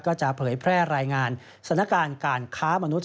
จะเผยแพร่รายงานสถานการณ์การค้ามนุษย